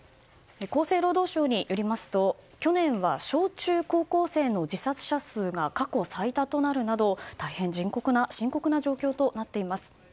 厚生労働省によりますと去年は小中高校生の自殺者数が過去最多となるなど大変深刻な状況となっています。